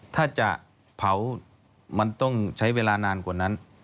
ถ้าจะเผามันต้องใช้เวลานานกว่านั้น